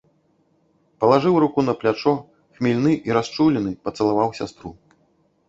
Палажыў руку на плячо, хмельны і расчулены, пацалаваў сястру.